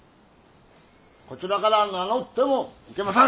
こちらから名乗ってもいけまへぬ！